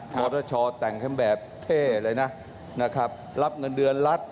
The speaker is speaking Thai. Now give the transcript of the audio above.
มอเตอร์ชอตแต่งแบบเท่เลยนะรับเงินเดือนรัฐ